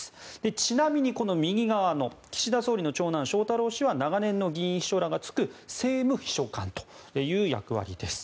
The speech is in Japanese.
ちなみに、この右側の岸田総理の長男・翔太郎氏は長年の議員秘書らが就く政務秘書官という役割です。